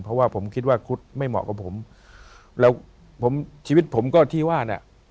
เพราะว่าผมคิดว่าคุดไม่เหมาะกับผมแล้วผมชีวิตผมก็ที่ว่าเนี่ย